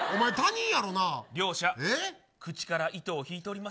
両者、口から糸を引いております。